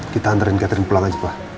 kita anterin catherine pulang aja pak